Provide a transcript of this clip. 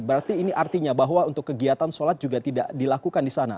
berarti ini artinya bahwa untuk kegiatan sholat juga tidak dilakukan di sana